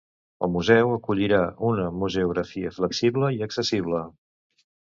El museu acollirà una museografia flexible i accessible.